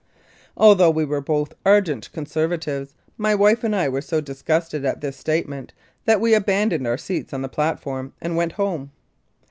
Although we were both ardent Conservatives, my wife and I were so disgusted at this statement that we abandoned our seats on the platform and went home.